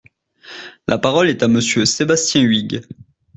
La parole est à Monsieur Sébastien Huyghe.